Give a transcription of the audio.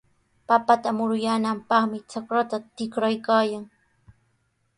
Papata muruyaananpaqmi trakrta tikraykaayan.